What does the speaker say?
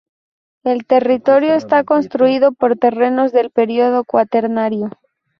El territorio está constituido por terrenos del período cuaternario.